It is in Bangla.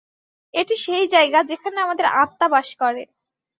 এটি সেই জায়গা যেখানে আমাদের আত্মা বাস করে।